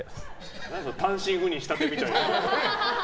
単身赴任したてみたいな。